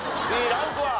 Ｂランクは？